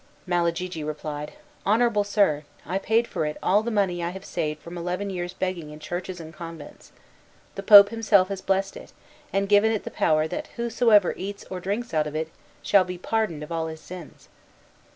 Malagigi replied, "Honorable sir, I paid for it all the money I have saved from eleven years' begging in churches and convents. The Pope himself has blessed it, and given it the power that whosoever eats or drinks out of it shall be pardoned of all his sins."